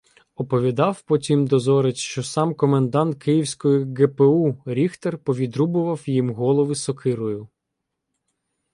Оповідав потім дозорець, що сам комендант Київської ҐПУ Ріхтер повідрубував їм голови сокирою.